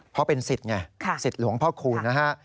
เพราะเป็นสิทธิ์ไงสิทธิ์หลวงพ่อคูณนะฮะ